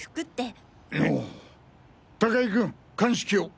高木君鑑識を。